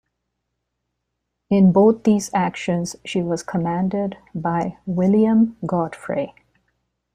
In both these actions, she was commanded by William Godfrey.